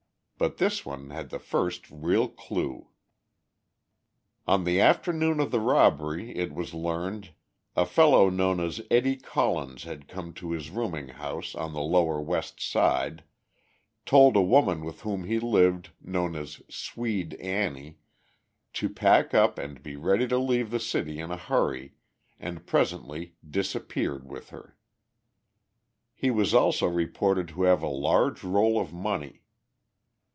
But this one had the first real clue. On the afternoon of the robbery, it was learned, a fellow known as "Eddie Collins" had come to his rooming house, on the lower West Side, told a woman with whom he lived, known as "Swede Annie," to pack up and be ready to leave the city in a hurry, and presently disappeared with her. He was also reported to have a large roll of money.